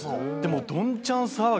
どんちゃん騒ぎ